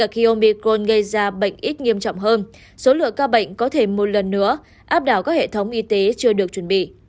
khi ông bicron gây ra bệnh ít nghiêm trọng hơn số lượng ca bệnh có thể một lần nữa áp đảo các hệ thống y tế chưa được chuẩn bị